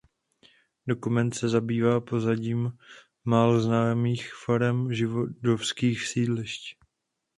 Dokument se zabývá pozadím málo známých forem židovských sídlišť.